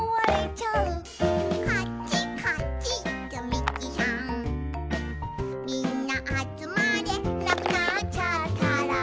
みんなあつまれ」「なくなっちゃったら」